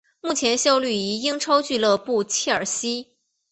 目前效力于英超俱乐部切尔西。